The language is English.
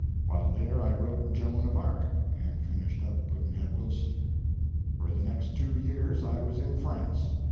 While there I wrote 'Joan of Arc' and finished up 'Pudd'nhead Wilson.' For the next two years I was in France.